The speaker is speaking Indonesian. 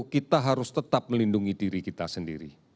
kita harus tetap melindungi diri kita sendiri